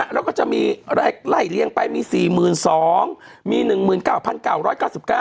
แล้วก็จะมีไล่เลี้ยงไปมี๔๒๐๐มี๑๙๙๙๙๙